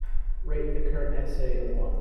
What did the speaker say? rate the current essay a one